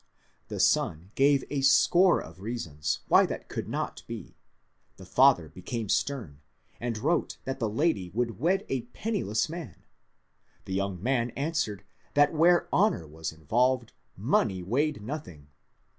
The son gave a score of reasons why that could not be ; the father became stem, and wrote that the lady would wed a penniless man; the young man answered that where honour was involved money weighed nothing.